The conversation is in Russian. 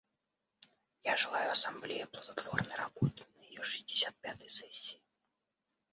Я желаю Ассамблее плодотворной работы на ее шестьдесят пятой сессии.